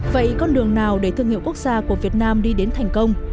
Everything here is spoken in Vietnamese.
vậy con đường nào để thương hiệu quốc gia của việt nam đi đến thành công